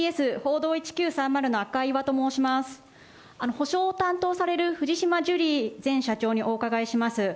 補償を担当される藤島ジュリー前社長にお伺いします。